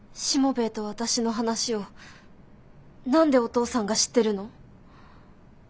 しもべえと私の話を何でお父さんが知ってるの？